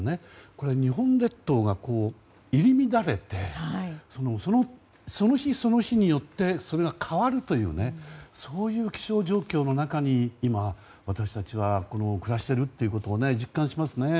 これが日本列島が入り乱れてその日その日によってそれが変わるというそういう気象状況の中に今、私たちは暮らしているということを実感しますね。